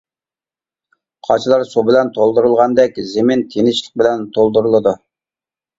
قاچىلار سۇ بىلەن تولدۇرۇلغاندەك زېمىن تىنچلىق بىلەن تولدۇرۇلىدۇ.